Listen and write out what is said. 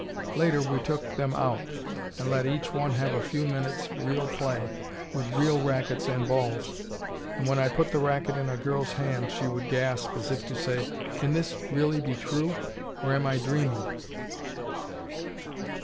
Later we took them out, and let each one have a few minute's real play with real racquets and balls, and, when I put the racquet in a girl's hand, she would gasp, as if to say, "Can this be really true, or am I dreaming?"